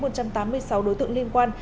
một trăm tám mươi sáu đối tượng liên quan